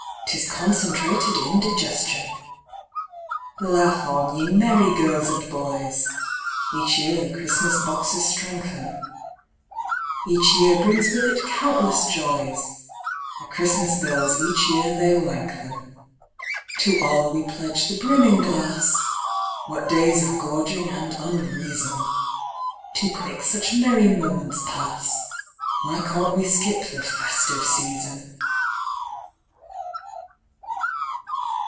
('Tis concentrated indigestion!) Laugh on, ye merry girls and boys! (Each year the Christmas boxes strengthen,) Each year brings with it countless joys; (The Christmas bills each year they lengthen.) To all we pledge the brimming glass! (What days of gorging and unreason!) Too quick such merry moments pass (_Why can't we skip the "festive season"?